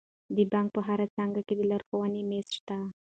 د بانک په هره څانګه کې د لارښوونې میز شته.